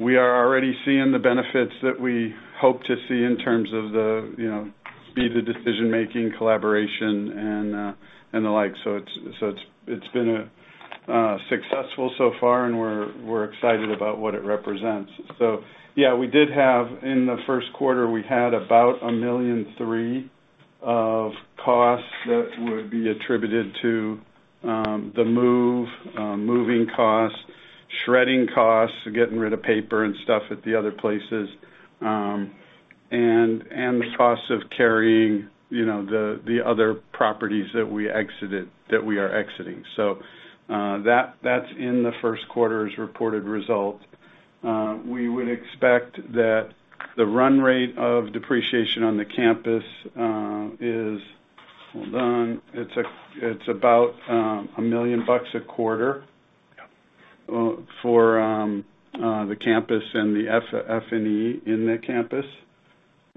We are already seeing the benefits that we hope to see in terms of the speed of decision-making, collaboration, and the like. It's been successful so far, and we're excited about what it represents. In the first quarter, we had about $1.3 million of costs that would be attributed to the move, moving costs, shredding costs, getting rid of paper and stuff at the other places, and the costs of carrying the other properties that we are exiting. That's in the first quarter's reported result. We would expect that the run rate of depreciation on the campus is, hold on, it's about $1 million a quarter for the campus and the FF&E in the campus.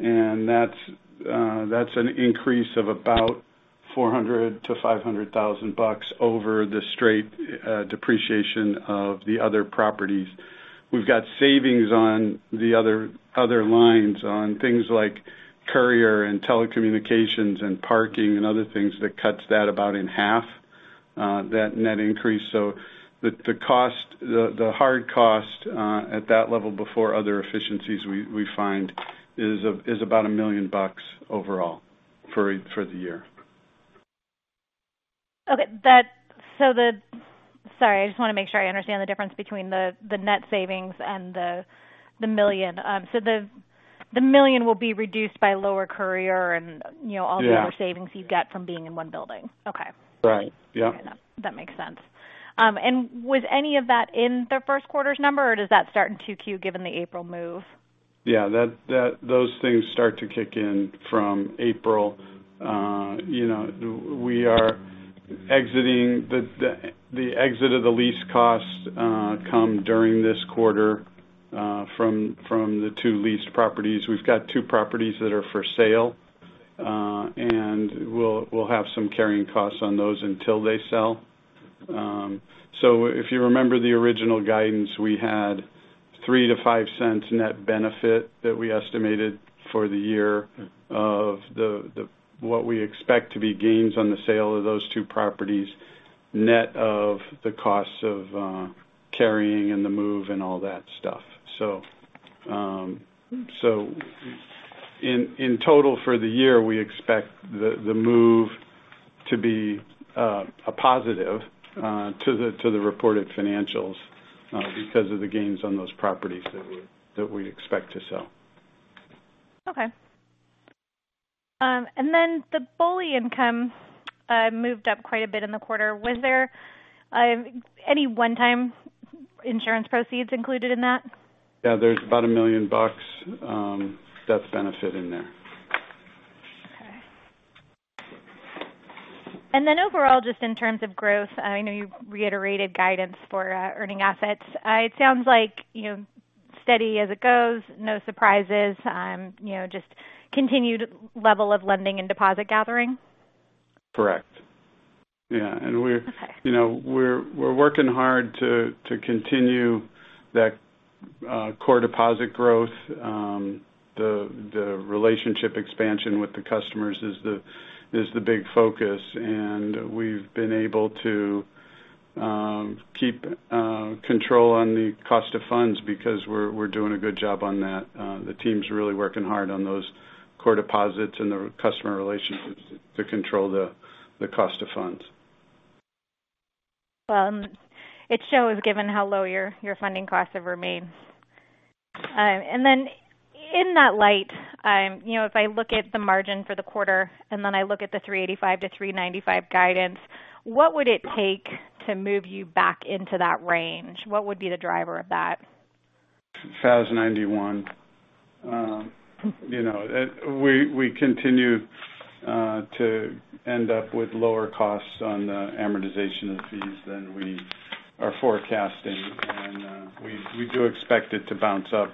That's an increase of about $400,000-$500,000 over the straight depreciation of the other properties. We've got savings on the other lines on things like courier and telecommunications and parking and other things that cuts that about in half that net increase. The hard cost at that level before other efficiencies we find is about $1 million overall for the year. Okay. Sorry, I just want to make sure I understand the difference between the net savings and the $1 million. The $1 million will be reduced by lower courier and all the other. Yeah savings you get from being in one building. Okay. Right. Yeah. That makes sense. Was any of that in the first quarter's number, or does that start in 2Q given the April move? Yeah. Those things start to kick in from April. The exit of the lease costs come during this quarter from the two leased properties. We've got two properties that are for sale. We'll have some carrying costs on those until they sell. If you remember the original guidance, we had $0.03-$0.05 net benefit that we estimated for the year of what we expect to be gains on the sale of those two properties, net of the costs of carrying and the move and all that stuff. In total for the year, we expect the move to be a positive to the reported financials because of the gains on those properties that we expect to sell. Okay. Then the BOLI income moved up quite a bit in the quarter. Was there any one-time insurance proceeds included in that? Yeah, there's about a $1 million death benefit in there. Okay. Then overall, just in terms of growth, I know you reiterated guidance for earning assets. It sounds like steady as it goes, no surprises, just continued level of lending and deposit gathering. Correct. Yeah. Okay. We're working hard to continue that core deposit growth. The relationship expansion with the customers is the big focus, and we've been able to keep control on the cost of funds because we're doing a good job on that. The team's really working hard on those core deposits and the customer relationships to control the cost of funds. It shows given how low your funding costs have remained. In that light, if I look at the margin for the quarter, and then I look at the 385-395 guidance, what would it take to move you back into that range? What would be the driver of that? FAS 91. We continue to end up with lower costs on the amortization of fees than we are forecasting. We do expect it to bounce up.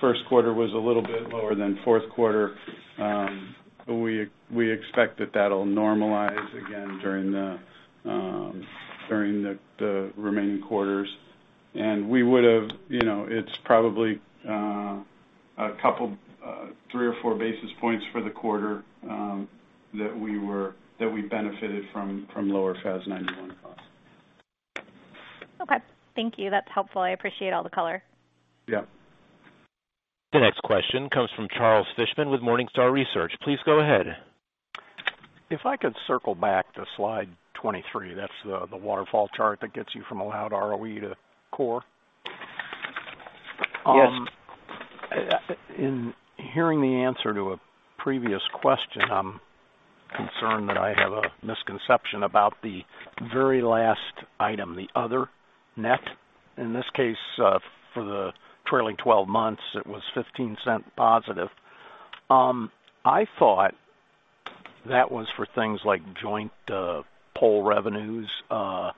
First quarter was a little bit lower than fourth quarter. We expect that that'll normalize again during the remaining quarters. It's probably three or four basis points for the quarter that we benefited from lower FAS 91 costs. Okay. Thank you. That's helpful. I appreciate all the color. Yeah. The next question comes from Charles Fishman with Morningstar Research. Please go ahead. If I could circle back to slide 23, that's the waterfall chart that gets you from allowed ROE to core. Yes. In hearing the answer to a previous question, I'm concerned that I have a misconception about the very last item, the other net. In this case, for the trailing 12 months, it was $0.15 positive. I thought that was for things like joint pole revenues, and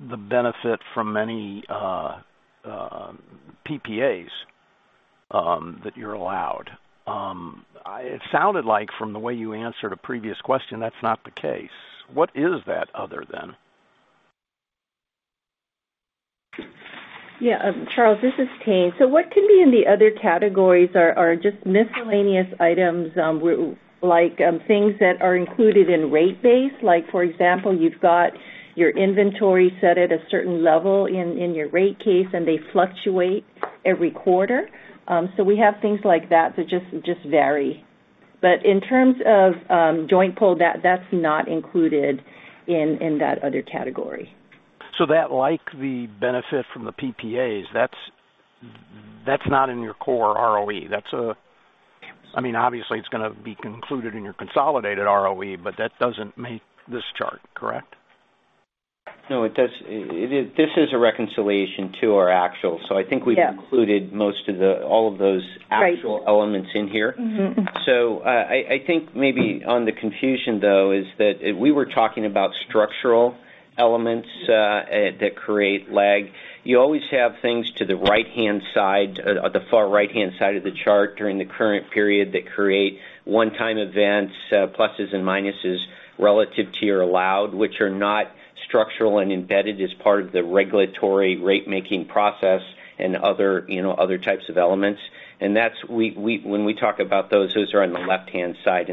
the benefit from many PPAs that you're allowed. It sounded like from the way you answered a previous question, that's not the case. What is that other then? Yeah. Charles, this is Tayne. What can be in the other categories are just miscellaneous items, like things that are included in rate base. For example, you've got your inventory set at a certain level in your rate case, and they fluctuate every quarter. We have things like that that just vary. In terms of joint pole, that's not included in that other category. The benefit from the PPAs, that's not in your core ROE. Obviously, it's going to be concluded in your consolidated ROE, that doesn't make this chart, correct? No, it does. This is a reconciliation to our actual. I think we've included- Yeah All of those actual elements in here. I think maybe on the confusion, though, is that we were talking about structural elements that create lag. You always have things to the right-hand side or the far right-hand side of the chart during the current period that create one-time events, pluses and minuses relative to your allowed, which are not structural and embedded as part of the regulatory rate making process and other types of elements. When we talk about those are on the left-hand side.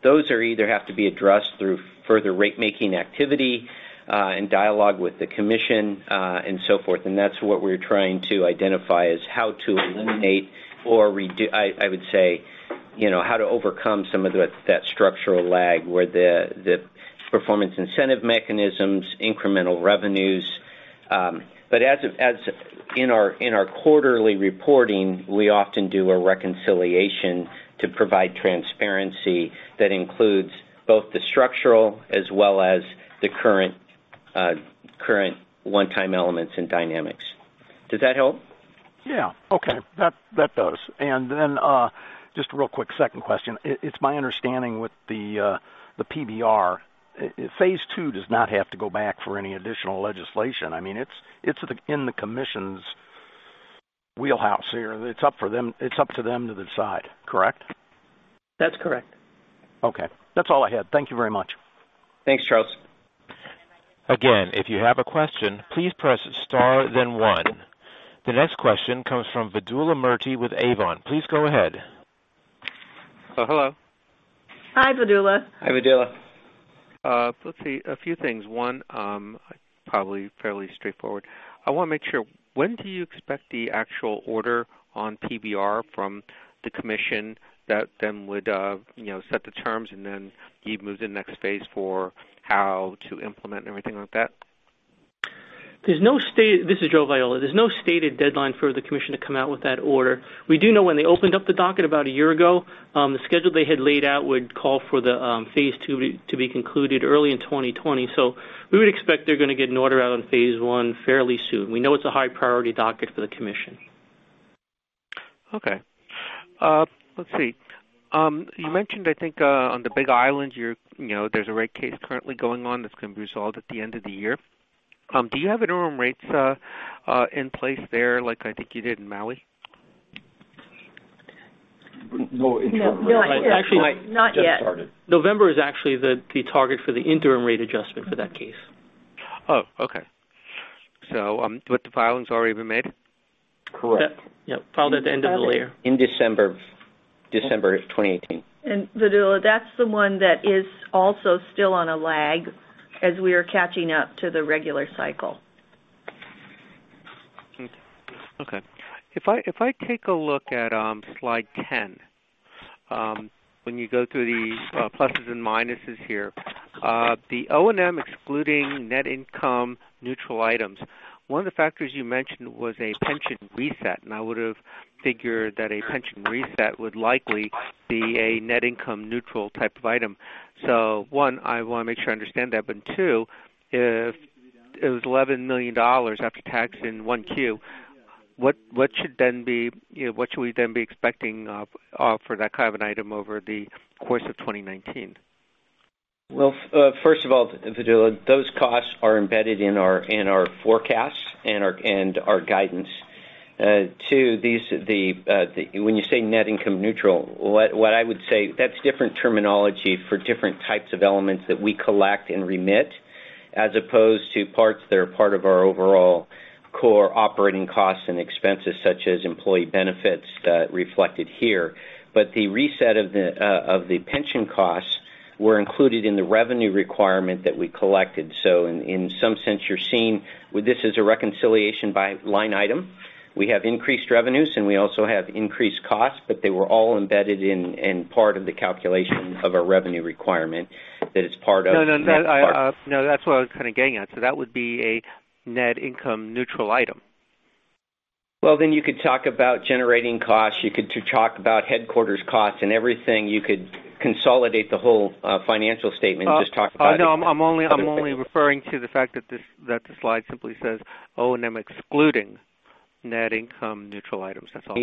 Those either have to be addressed through further rate making activity and dialogue with the commission and so forth. That's what we're trying to identify is how to eliminate or I would say, how to overcome some of that structural lag where the Performance Incentive Mechanisms, incremental revenues. In our quarterly reporting, we often do a reconciliation to provide transparency that includes both the structural as well as the current one-time elements and dynamics. Does that help? Yeah. Okay. That does. Then just a real quick second question. It's my understanding with the PBR, phase 2 does not have to go back for any additional legislation. It's in the commission's wheelhouse here. It's up to them to decide, correct? That's correct. Okay. That's all I had. Thank you very much. Thanks, Charles. Again, if you have a question, please press star then one. The next question comes from Vedula Murti with Avon Capital. Please go ahead. Hello. Hi, Vedula. Hi, Vedula. Let's see. A few things. One, probably fairly straightforward. I want to make sure, when do you expect the actual order on PBR from the commission that then would set the terms and then you'd move to the next phase for how to implement and everything like that? This is Joseph Viola. There's no stated deadline for the commission to come out with that order. We do know when they opened up the docket about a year ago, the schedule they had laid out would call for the phase two to be concluded early in 2020. We would expect they're going to get an order out on phase one fairly soon. We know it's a high priority docket for the commission. Okay. Let's see. You mentioned, I think on the Big Island, there's a rate case currently going on that's going to be resolved at the end of the year. Do you have interim rates in place there like I think you did in Maui? No interim rates. No, not yet. Just started. November is actually the target for the interim rate adjustment for that case. Oh, okay. The filing's already been made? Correct. Yep. Filed at the end of the year. In December of 2018. Vedula, that's the one that is also still on a lag as we are catching up to the regular cycle. Okay. If I take a look at slide 10, when you go through the pluses and minuses here, the O&M excluding net income neutral items, one of the factors you mentioned was a pension reset, I would have figured that a pension reset would likely be a net income neutral type of item. One, I want to make sure I understand that, two, if it was $11 million after tax in 1Q, what should we then be expecting for that kind of an item over the course of 2019? First of all, Vedula, those costs are embedded in our forecasts and our guidance. When you say net income neutral, what I would say, that's different terminology for different types of elements that we collect and remit, as opposed to parts that are part of our overall core operating costs and expenses such as employee benefits reflected here. The reset of the pension costs were included in the revenue requirement that we collected. In some sense, you're seeing this as a reconciliation by line item. We have increased revenues, and we also have increased costs, they were all embedded in part of the calculation of a revenue requirement that is part of. No, that's what I was kind of getting at. That would be a net income neutral item. You could talk about generating costs. You could talk about headquarters costs and everything. You could consolidate the whole financial statement and just talk about it. No, I'm only referring to the fact that the slide simply says O&M excluding net income neutral items. That's all.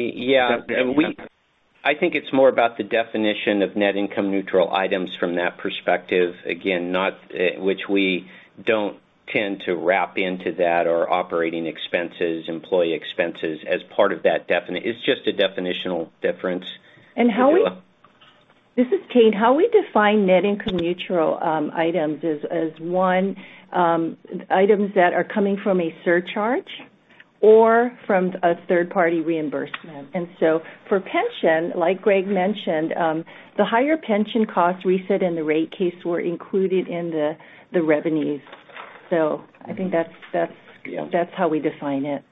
I think it's more about the definition of net income neutral items from that perspective, again, which we don't tend to wrap into that or operating expenses, employee expenses as part of that definition. It's just a definitional difference, Vedula. This is Kate. How we define net income neutral items is one, items that are coming from a surcharge or from a third-party reimbursement. For pension, like Greg mentioned, the higher pension cost reset and the rate case were included in the revenues. I think that's how we define it.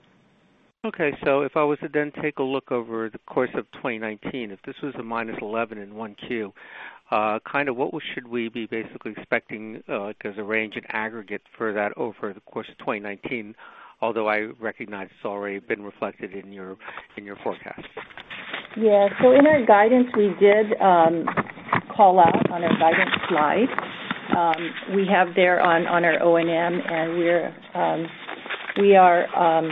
Okay. If I was to then take a look over the course of 2019, if this was a -$11 in 1Q, what should we be basically expecting as a range in aggregate for that over the course of 2019? Although I recognize it's already been reflected in your forecast. Yeah. In our guidance, we did call out on a guidance slide. We have there on our O&M, and we are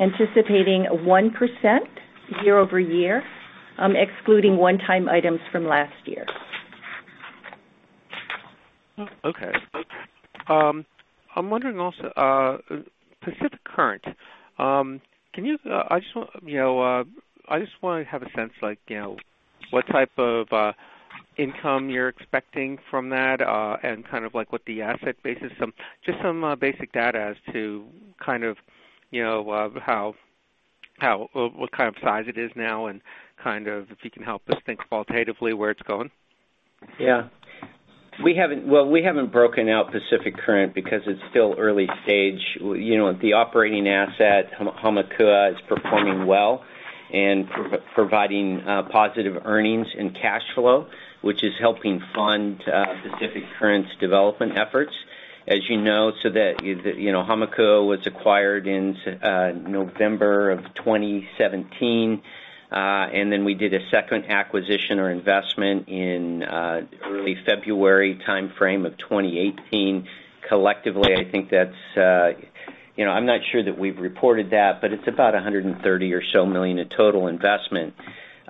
anticipating 1% year-over-year, excluding one-time items from last year. Okay. I'm wondering also, Pacific Current. I just want to have a sense what type of income you're expecting from that, and kind of what the asset base is? Just some basic data as to what kind of size it is now and if you can help us think qualitatively where it's going? Well, we haven't broken out Pacific Current because it's still early stage. The operating asset, Hamakua, is performing well and providing positive earnings and cash flow, which is helping fund Pacific Current's development efforts, as you know. Hamakua was acquired in November of 2017. Then we did a second acquisition or investment in early February timeframe of 2018. Collectively, I'm not sure that we've reported that, but it's about $130 million or so in total investment.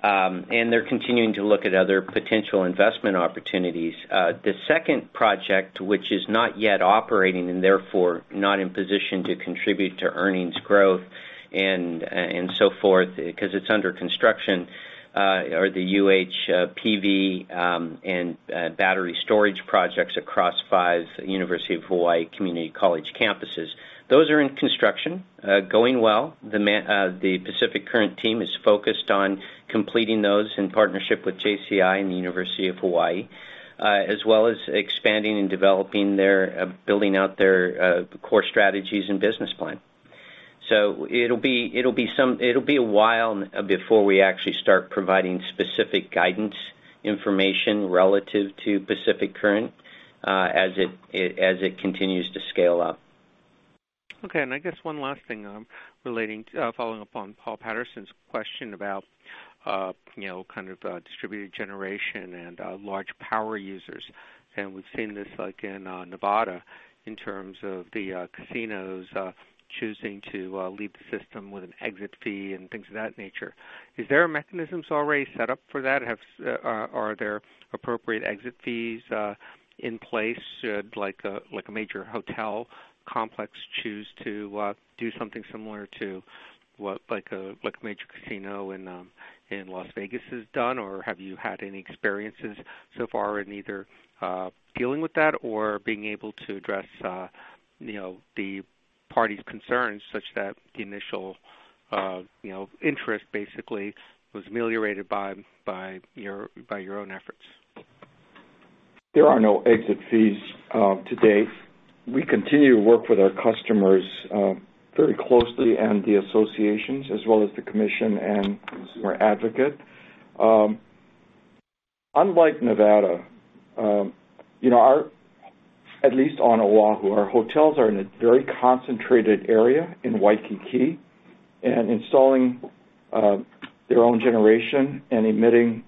They're continuing to look at other potential investment opportunities. The second project, which is not yet operating and therefore not in position to contribute to earnings growth and so forth because it's under construction, are the UH PV and battery storage projects across five University of Hawaiʻi Community Colleges campuses. Those are in construction, going well. The Pacific Current team is focused on completing those in partnership with JCI and the University of Hawaiʻi, as well as expanding and developing their, building out their core strategies and business plan. It'll be a while before we actually start providing specific guidance information relative to Pacific Current as it continues to scale up. Okay. I guess one last thing following up on Paul Patterson's question about distributed generation and large power users. We've seen this like in Nevada, in terms of the casinos choosing to leave the system with an exit fee and things of that nature. Is there mechanisms already set up for that? Are there appropriate exit fees in place should a major hotel complex choose to do something similar to what a major casino in Las Vegas has done? Have you had any experiences so far in either dealing with that or being able to address the party's concerns, such that the initial interest basically was ameliorated by your own efforts? There are no exit fees to date. We continue to work with our customers very closely and the associations, as well as the commission and consumer advocate. Unlike Nevada, at least on Oahu, our hotels are in a very concentrated area in Waikiki, and installing their own generation and emitting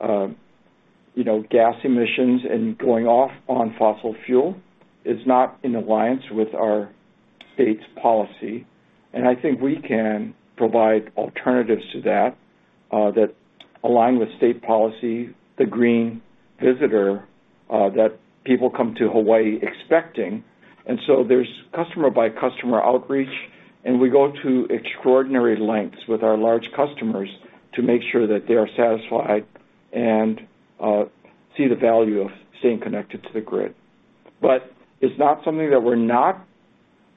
gas emissions and going off on fossil fuel is not in alliance with our state's policy. I think we can provide alternatives to that align with state policy, the green visitor that people come to Hawaiʻi expecting. There's customer-by-customer outreach, and we go to extraordinary lengths with our large customers to make sure that they are satisfied and see the value of staying connected to the grid. It's not something that we're not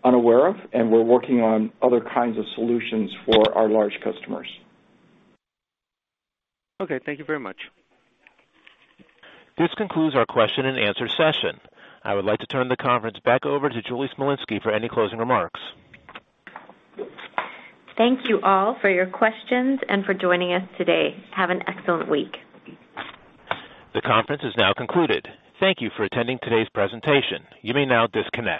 unaware of, and we're working on other kinds of solutions for our large customers. Okay. Thank you very much. This concludes our question and answer session. I would like to turn the conference back over to Julie Smolinski for any closing remarks. Thank you all for your questions and for joining us today. Have an excellent week. The conference is now concluded. Thank you for attending today's presentation. You may now disconnect.